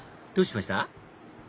どうしました？